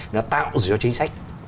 nó tạo ra chính sách